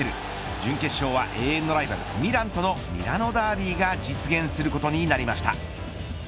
準決勝は永遠のライバルミランとのミラノダービーが実現することになりました。